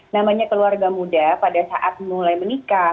namanya keluarga muda pada saat mulai menikah